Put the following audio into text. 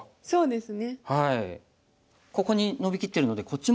そうですね。